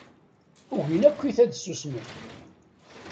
Ugin akkit ad ssusmen.